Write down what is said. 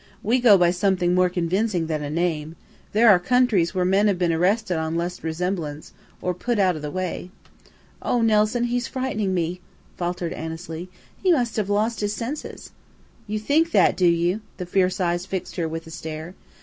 We go by something more convincing than a name. There are countries where men have been arrested on less resemblance or put out of the way." "Oh, Nelson, he's frightening me," faltered Annesley. "He must have lost his senses." "You think that, do you?" The fierce eyes fixed her with a stare.